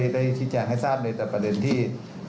ได้ชี้แจงให้ทราบในประเด็นที่